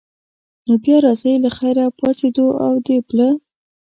نو بیا راځئ له خیره، پاڅېدو او د پله.